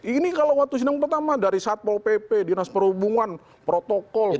ini kalau waktu sidang pertama dari satpol pp dinas perhubungan protokol